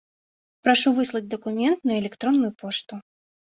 Прашу выслаць дакумент на электронную пошту.